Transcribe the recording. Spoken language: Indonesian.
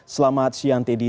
selamat siang teddy